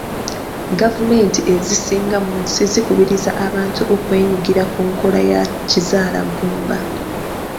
Gavumenti ezisinga mu nsi zikubiriza abantu okwenyigira ku nkola ya kizaala ggumba.